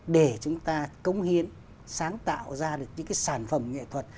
để chúng ta cống hiến sáng tạo ra được những cái sản phẩm nghệ thuật